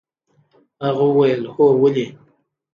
هغه وويل هو ولې.